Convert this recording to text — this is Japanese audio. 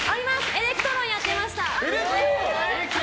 エレクトーンやってました。